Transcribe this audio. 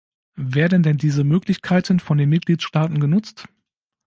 Werden denn diese Möglichkeiten von den Mitgliedstaaten genutzt?